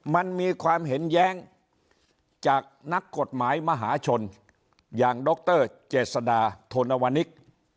มันมีความเห็นแย้งจากนักกฎหมายมหาชนอย่างดรเจษดาธนวนิก